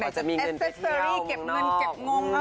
อาจจะมีเงินไปเที่ยวเมืองนอก